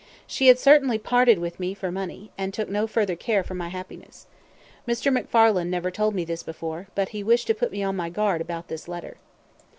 She had certainly parted with me for money, and took no further care for my happiness. Mr. McFarlane never told me this before, but he wished to put me on my guard about this letter."